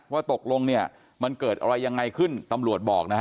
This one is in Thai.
ว่าตกลงเนี่ยมันเกิดอะไรยังไงขึ้นตำรวจบอกนะฮะ